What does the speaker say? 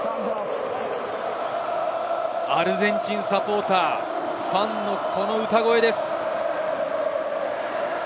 アルゼンチンサポーター、ファンのこの歌声です。